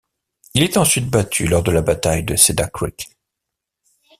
Il est ensuite battu lors de la bataille de Cedar Creek.